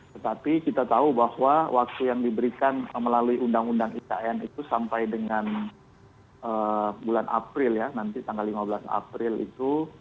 tetapi kita tahu bahwa waktu yang diberikan melalui undang undang ikn itu sampai dengan bulan april ya nanti tanggal lima belas april itu